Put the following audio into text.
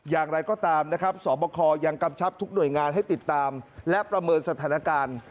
อย่างไรก็ตามนะครับสอบคอยังกำชับทุกหน่วยงานให้ติดตามและประเมินสถานการณ์